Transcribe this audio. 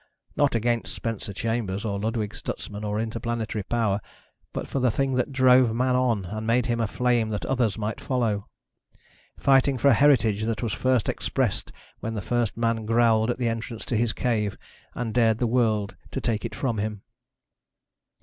Not against Spencer Chambers or Ludwig Stutsman or Interplanetary Power, but for the thing that drove man on and made of him a flame that others might follow. Fighting for a heritage that was first expressed when the first man growled at the entrance to his cave and dared the world to take it from him.